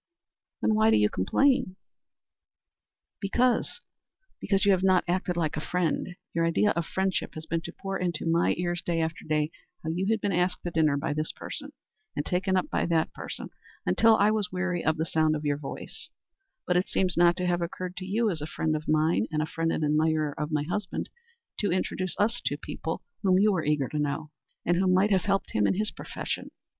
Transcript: "Then why do you complain?" "Because because you have not acted like a friend. Your idea of friendship has been to pour into my ears, day after day, how you had been asked to dinner by this person and taken up by that person, until I was weary of the sound of your voice, but it seems not to have occurred to you, as a friend of mine, and a friend and admirer of my husband, to introduce us to people whom you were eager to know, and who might have helped him in his profession.